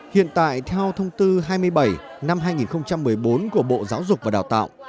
hiện tại theo thông tư hai mươi bảy năm hai nghìn một mươi bốn của bộ giáo dục và đào tạo